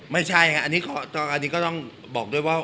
ไม่ใช่ครับอันนี้ก็ต้องบอกด้วยว่า